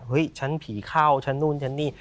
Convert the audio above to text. ฉันผีเข้าฉันนู่นฉันนี่